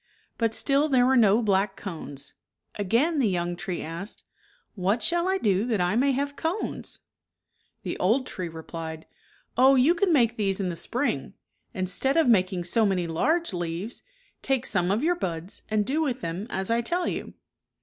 But still there were no black cones. Again the young tree asked, " What shall I do that I may have cones ?" The old tree replied, " Oh, you can make these in the spring. Instead of making so many large leaves, take some of your buds and do with them as I tell you."